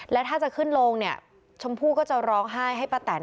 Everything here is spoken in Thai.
และถ้าจะขึ้นลงสมภูก็จะร้องไห้ให้ป้าแตน